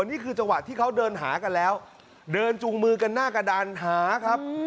นี่คือจังหวะที่เขาเดินหากันแล้วเดินจูงมือกันหน้ากระดานหาครับ